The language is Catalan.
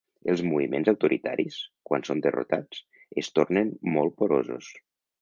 Els moviments autoritaris, quan són derrotats, es tornen molt porosos.